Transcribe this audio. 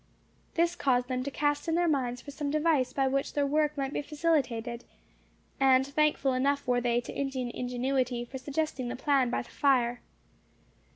This caused them to cast in their minds for some device by which their work might be facilitated, and thankful enough were they to Indian ingenuity for suggesting the plan by fire.